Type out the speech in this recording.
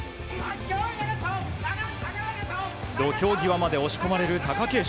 土俵際まで押し込まれる貴景勝。